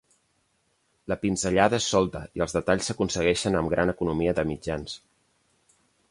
La pinzellada és solta i els detalls s'aconsegueixen amb gran economia de mitjans.